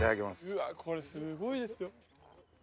うわこれすごいですよ。